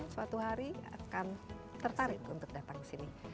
suatu hari akan tertarik untuk datang ke sini